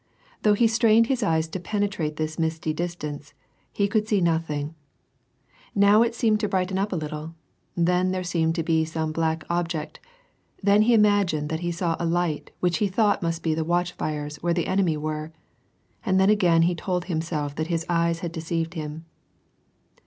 Though he strained his eyes to penetrate this misty distance, he could see nothing ; now it seemed to brighten up a little, then there seemed to be some black object ; then he imagined that he saw a light which he thought must be the watch fires where the enemy were, and then again he told himself that his eyes had deceived him.